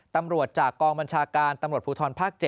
ตำรวจจากกองบัญชาการตำรวจภูทรภาค๗